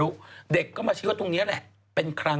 ปลาหมึกแท้เต่าทองอร่อยทั้งชนิดเส้นบดเต็มตัว